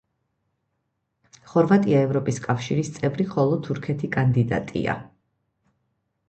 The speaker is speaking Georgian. ხორვატია ევროპის კავშირის წევრი, ხოლო თურქეთი კანდიდატია.